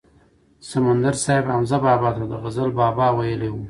سمندر صاحب حمزه بابا ته غزل بابا ویلی و.